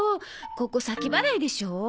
ここ先払いでしょ？